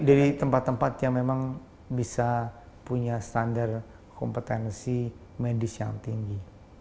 dari tempat tempat yang memang bisa punya standar kompetensi medis yang tinggi